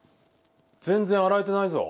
全然洗えてないぞ。